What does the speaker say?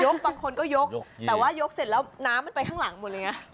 บางคนก็ยกแต่ว่ายกเสร็จแล้วน้ำมันไปข้างหลังหมดเลยไง